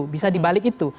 bisa dibalik itu